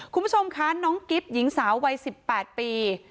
คุณผู้ชมคะน้องกิฟต์หญิงสาววัยสิบแปดปี